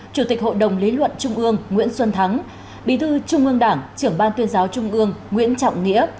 chủ tịch hội đồng lý luận trung ương nguyễn xuân thắng bí thư trung ương đảng trưởng ban tuyên giáo trung ương nguyễn trọng nghĩa